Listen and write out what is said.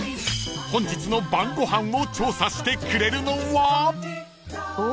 ［本日の晩ご飯を調査してくれるのは？］